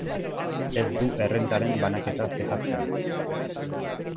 Ez du errentaren banaketa zehazten.